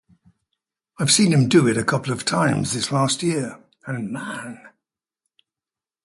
I've seen him do it a couple of times this last year, and man!